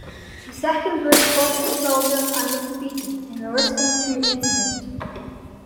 The second group crossed into Belgium and was defeated in the Risquons-Tout incident.